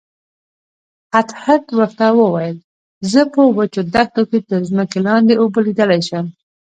هدهد ورته وویل زه په وچو دښتو کې تر ځمکې لاندې اوبه لیدلی شم.